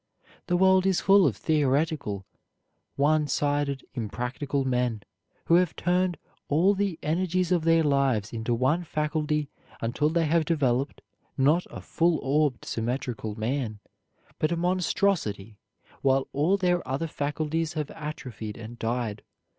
The world is full of theoretical, one sided, impractical men, who have turned all the energies of their lives into one faculty until they have developed, not a full orbed, symmetrical man, but a monstrosity, while all their other faculties have atrophied and died.